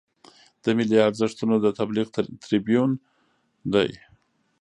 د ملي ارزښتونو د تبلیغ تربیون دی.